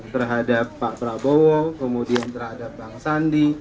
terhadap pak prabowo kemudian terhadap bang sandi